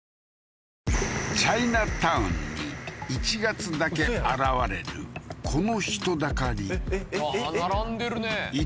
チャイナタウンに１月だけ現れるこの人だかりえっえっえっえっえっ？